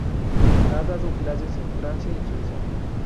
Ha dado clases en Francia y Suiza.